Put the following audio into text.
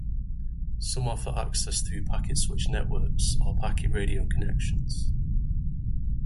Some offer access through packet switched networks or packet radio connections.